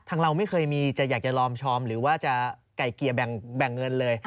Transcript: เราไม่เคยมีจะอยากจะลอมชอมหรือว่าจะไก่เกลี่ยแบ่งเงินเลย